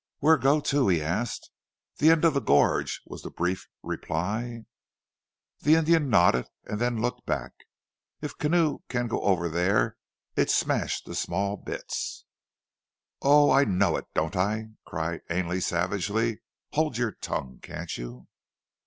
"Where go to?" he asked. "The end of the gorge," was the brief reply. The Indian nodded, and then looked back. "If canoe can go over there it smash to small bits." "Oh, I know it, don't I?" cried Ainley savagely. "Hold your tongue, can't you?"